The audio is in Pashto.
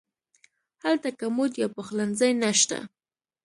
هلته کمود یا پخلنځی نه شته.